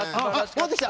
戻ってきた。